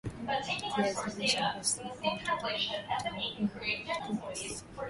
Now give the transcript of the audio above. kiazi lishe kwa siku mtoto humpa vitamin A inayotakiwa kwa siku